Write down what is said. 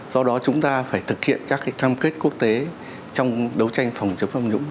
do đó chúng ta phải thực hiện các cam kết quốc tế trong đấu tranh phòng chống tham nhũng